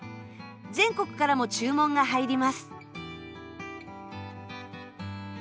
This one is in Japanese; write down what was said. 全国からも注文が入ります。